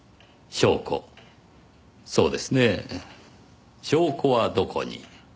証拠そうですねぇ「証拠はどこに」。